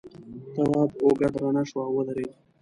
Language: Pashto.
تواب اوږه درنه شوه او ودرېد.